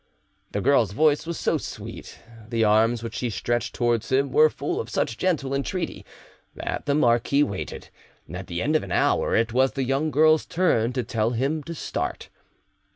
The girl's voice was so sweet, the arms which she stretched towards him were full of such gentle entreaty, that the marquis waited, and at the end of an hour it was the young girl's turn to tell him to start.